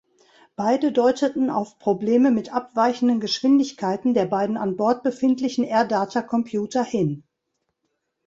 Beide deuteten auf Probleme mit abweichenden Geschwindigkeiten der beiden an Bord befindlichen Air-Data-Computer hin.